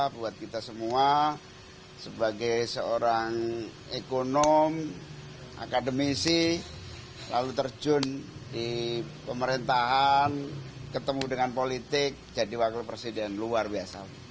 buat kita semua sebagai seorang ekonom akademisi lalu terjun di pemerintahan ketemu dengan politik jadi wakil presiden luar biasa